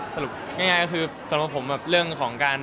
สำหรับผมเรื่องของการ